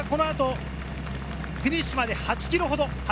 フィニッシュまで８ｋｍほど。